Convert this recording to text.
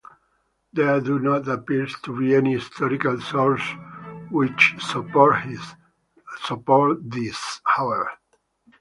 There do not appear to be any historical sources which support this, however.